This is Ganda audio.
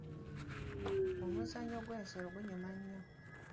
Muzannyo gw'ensero gunyuma nnyo.